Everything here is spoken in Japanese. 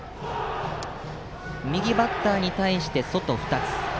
右バッターに対して、外２つ。